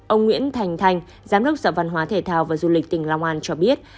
ông nguyễn thành thanh giám đốc sở văn hóa thể thao và du lịch tỉnh long an cho biết